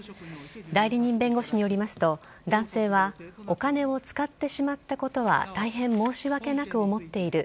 代理人弁護士によりますと男性はお金を使ってしまったことは大変申し訳なく思っている。